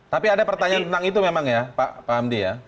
tapi ada pertanyaan tentang itu memang ya pak hamdi ya